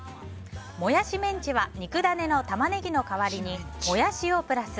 もやしメンチは肉ダネのタマネギの代わりにもやしをプラス。